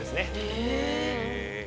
へえ。